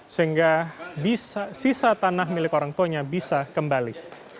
sehingga sisa tanah milik orang tuanya bisa kembali